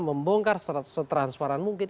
membongkar setransparan mungkin